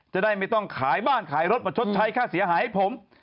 จะได้ไม่ต้องขายบ้านขายรถมาชดใช้ค่าเสียหายให้ผม